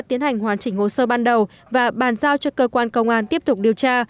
tiến hành hoàn chỉnh hồ sơ ban đầu và bàn giao cho cơ quan công an tiếp tục điều tra